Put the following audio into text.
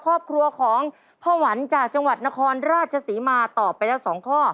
ครอบครัวของพ่อหวันจากจังหวัดนครราชศรีมาตอบไปแล้ว๒ข้อ